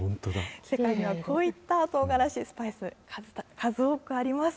世界にはこういったとうがらし、スパイス、数多くあります。